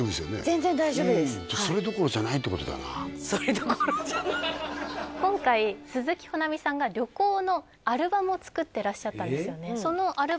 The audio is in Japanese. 全然大丈夫ですじゃあそれどころじゃないってことだよなそれどころじゃない今回鈴木保奈美さんが旅行のアルバムを作ってらっしゃったんですよね